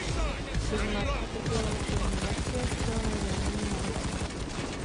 Bismarck utrpěl jen lehké střelné zranění na ruce.